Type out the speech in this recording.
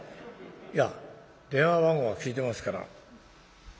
いや電話番号は聞いてますから。